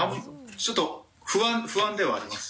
ちょっと不安ではあります。